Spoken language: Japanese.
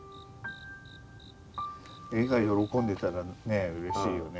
絵が喜んでたらねうれしいよね。